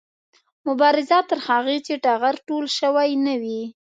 مبارزه تر هغې چې ټغر ټول شوی نه وي